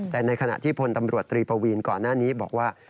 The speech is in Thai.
แต่ในขณะที่พลตำรวจตรีปวีนก่อนหน้านี้บอกว่า